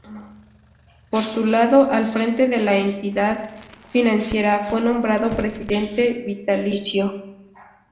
Por su labor al frente de la entidad financiera fue nombrado presidente vitalicio.